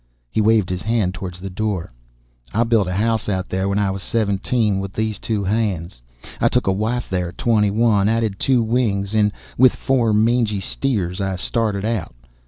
He waved his hand toward the door. "I built a house out there when I was seventeen, with these two hands. I took a wife there at twenty one, added two wings, and with four mangy steers I started out.